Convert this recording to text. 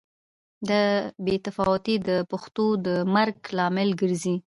دا بې تفاوتي د پښتو د مرګ لامل ګرځي.